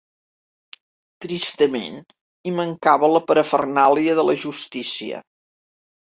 Tristament, hi mancava la parafernàlia de la justícia.